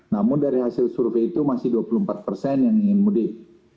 namun dari hasil survei itu masih dua puluh empat persen yang ingin mudik